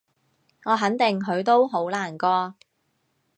我肯定佢都好難過